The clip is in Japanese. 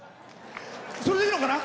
それでいいのかな？